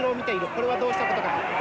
これはどうしたことか？